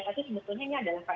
tapi sebetulnya ini adalah pak